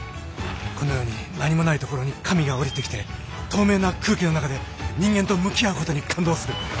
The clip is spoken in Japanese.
このように何もないところに神が降りてきて透明な空気の中で人間と向き合うことに感動する。